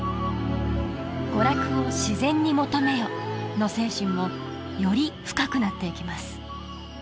「娯楽を自然に求めよ」の精神もより深くなっていきます